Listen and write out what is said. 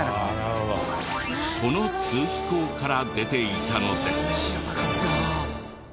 この通気口から出ていたのです。